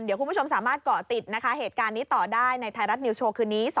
เดี๋ยวคุณผู้ชมสามารถเกาะติดนะคะเหตุการณ์นี้ต่อได้ในไทยรัฐนิวโชว์คืนนี้